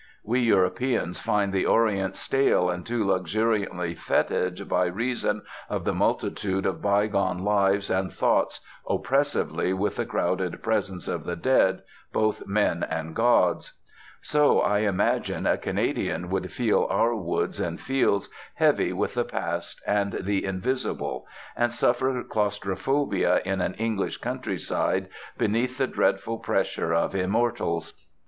We Europeans find the Orient stale and too luxuriantly fetid by reason of the multitude of bygone lives and thoughts, oppressive with the crowded presence of the dead, both men and gods. So, I imagine, a Canadian would feel our woods and fields heavy with the past and the invisible, and suffer claustrophobia in an English countryside beneath the dreadful pressure of immortals.